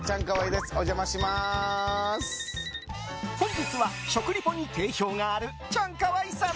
本日は食リポに定評があるチャンカワイさん。